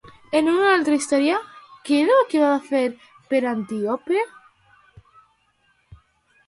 En una altra història, què diu que va fer per Antíope?